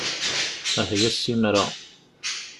Ahya ssimra!